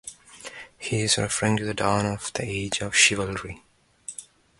He is referring to the dawn of the age of chivalry.